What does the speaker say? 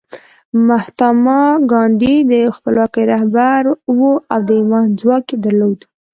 مهاتما ګاندي د خپلواکۍ رهبر و او د ایمان ځواک یې درلود